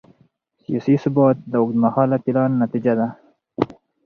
سیاسي ثبات د اوږدمهاله پلان نتیجه ده